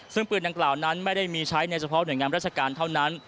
ซึ่งปืนดังกล่าวนั้นไม่ได้มีใช้ในเฉพาะหน่วยงานราชการเท่านั้น